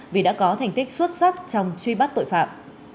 vì đã có thành tích xuất sắc trong truy bắt tội phạm